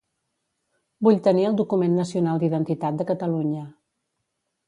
Vull tenir el Document Nacional d'Identitat de Catalunya